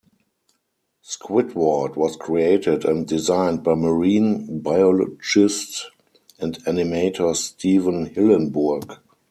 Squidward was created and designed by marine biologist and animator Stephen Hillenburg.